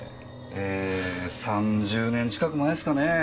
え３０年近く前ですかね。